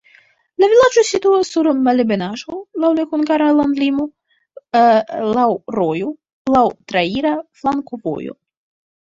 La vilaĝo situas sur malebenaĵo, laŭ la hungara landlimo, laŭ rojo, laŭ traira flankovojo.